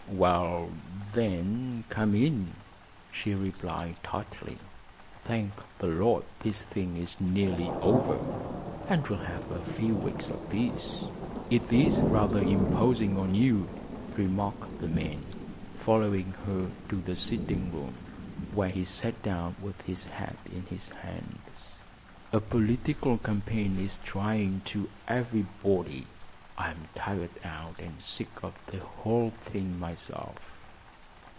"Well, then; come in," she replied, tartly. "Thank the Lord this thing is nearly over, and we'll have a few weeks of peace." "It is rather imposing on you," remarked the man, following her to the sitting room, where he sat down with his hat in his hands. "A political campaign is trying to everybody. I'm tired out and sick of the whole thing myself."